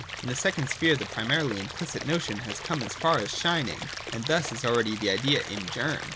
] In the second sphere the primarily implicit notion has come as far as shining, and thus is already the idea in germ.